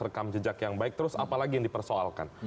rekam jejak yang baik terus apalagi yang dipersoalkan